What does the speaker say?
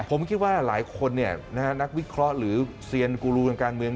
ผมคิดว่าหลายคนนักวิเคราะห์หรือเซียนกูรูทางการเมือง